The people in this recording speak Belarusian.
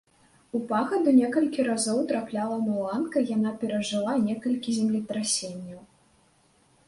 У пагаду некалькі разоў трапляла маланка, яна перажыла некалькі землетрасенняў.